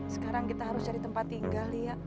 sekarang kita harus cari tempat tinggal ya